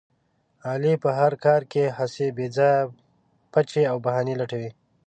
علي په هر کار کې هسې بې ځایه پچې او بهانې لټوي.